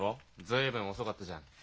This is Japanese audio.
随分遅かったじゃん。